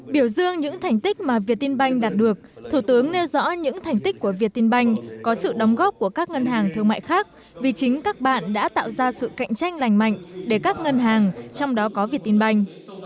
biểu dương những thành tích mà việt tinh banh đạt được thủ tướng nêu rõ những thành tích của việt tinh banh có sự đóng góp của các ngân hàng thương mại khác vì chính các bạn đã tạo ra sự cạnh tranh lành mạnh để các ngân hàng trong đó có việt tinh banh